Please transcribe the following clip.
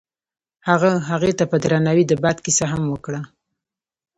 هغه هغې ته په درناوي د باد کیسه هم وکړه.